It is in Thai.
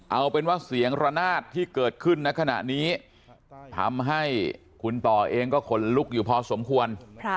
เอาเป็นว่าเสียงระนาดที่เกิดขึ้นในขณะนี้ทำให้คุณต่อเองก็ขนลุกอยู่พอสมควร